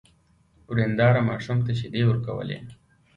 ورېندار ماشوم ته شيدې ورکولې.